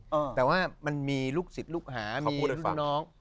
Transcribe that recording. เพราะว่ามันมีลูกศิษย์ลูกหามีลูกน้อง